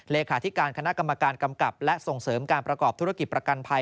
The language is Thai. เลขาธิการคณะกรรมการกำกับและส่งเสริมการประกอบธุรกิจประกันภัย